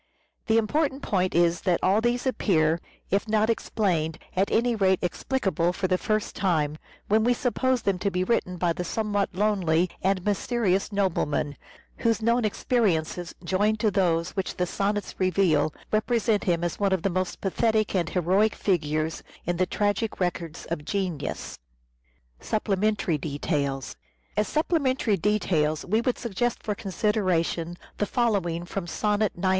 The important point is that all these appear, if not explained, at any rate explicable for the first time, when we suppose them to be written by the somewhat lonely and mysterious nobleman, whose known experiences joined to those which the sonnets reveal, represent him as one of the most pathetic and heroic figures in the tragic records of genius. As supplementary details we would suggest for consideration the following from sonnet 91.